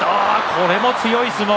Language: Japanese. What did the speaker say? これも強い相撲。